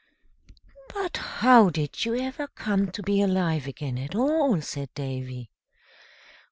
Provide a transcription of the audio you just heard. "But how did you ever come to be alive again, at all?" said Davy.